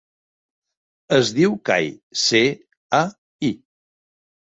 Es diu Cai: ce, a, i.